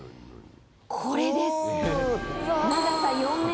これです。